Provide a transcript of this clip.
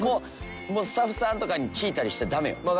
もうスタッフさんとかに聞いたりしたらダメよ。